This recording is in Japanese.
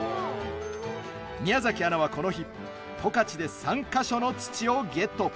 宮崎アナはこの日十勝で３か所の土をゲット。